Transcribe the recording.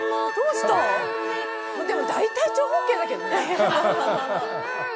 でもだいたい長方形だけどね。